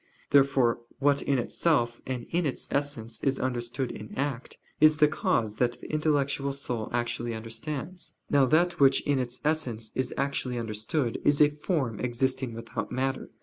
Therefore what in itself and in its essence is understood in act, is the cause that the intellectual soul actually understands. Now that which in its essence is actually understood is a form existing without matter.